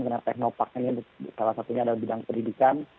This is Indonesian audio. karena teknopak ini salah satunya adalah bidang pendidikan